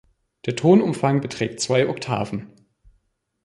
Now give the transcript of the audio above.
Der Tonumfang beträgt zwei Oktaven.